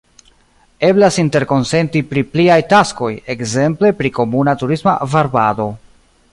Eblas interkonsenti pri pliaj taskoj, ekzemple pri komuna turisma varbado.